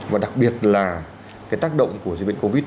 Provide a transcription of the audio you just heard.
và đặc biệt là cái tác động của dịch bệnh covid